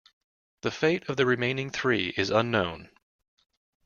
The fate of the remaining three is unknown.